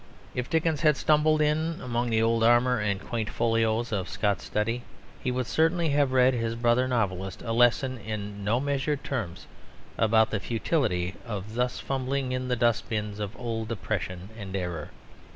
If Dickens had stumbled in among the old armour and quaint folios of Scott's study he would certainly have read his brother novelist a lesson in no measured terms about the futility of thus fumbling in the dust bins of old oppression and error.